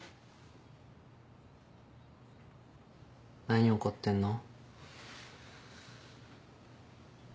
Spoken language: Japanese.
・何怒ってんの？